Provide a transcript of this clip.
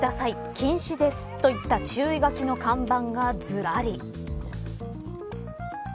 禁止です、といった注意書きの看板がずらり。